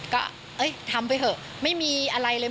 ก็ทำไปเถอะไม่มีอะไรเลย